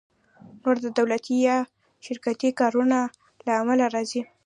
نور د دولتي یا شرکتي کارونو له امله راځي